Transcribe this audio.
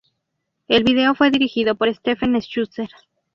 El video fue dirigido por Stephen Schuster.